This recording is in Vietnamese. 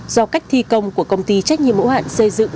do cách thi công của công ty trách nhiệm mẫu hạn xây dựng